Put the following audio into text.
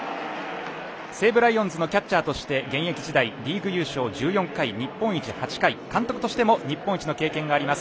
西武ライオンズのキャッチャーとして現役時代、リーグ優勝１４回日本一８回、監督としても日本一の経験があります